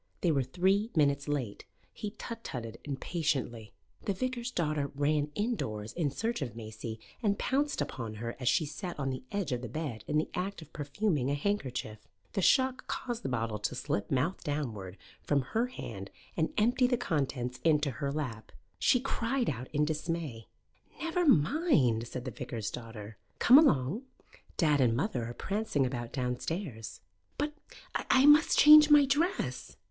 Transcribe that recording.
They were three minutes late, He tut tutted impatiently. The vicar's daughter ran indoors in search of Maisie and pounced upon her as she sat on the edge of the bed in the act of perfuming a handkerchief. The shock caused the bottle to slip mouth downward from her hand and empty the contents into her lap. She cried out in dismay. "Never mind," said the vicar's daughter. "Come along. Dad and mother are prancing about downstairs." "But I must change my dress!"